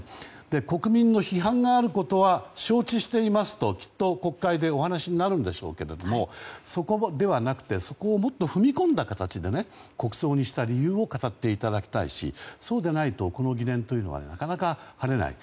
国民の批判があることは承知していますと、きっと国会でお話になるんでしょうけどそこではなくてそこをもっと踏み込んだ形で国葬にした理由を語っていただきたいしそうでないとこの疑念というのはなかなか晴れない。